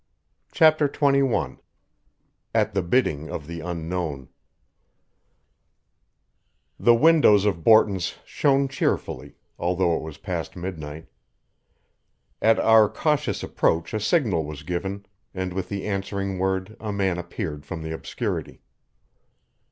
CHAPTER XXI AT THE BIDDING OF THE UNKNOWN The windows of Borton's shone cheerfully, although it was past midnight. At our cautious approach a signal was given, and with the answering word a man appeared from the obscurity.